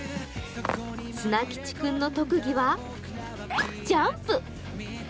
ツナ吉君の特技は、ジャンプ。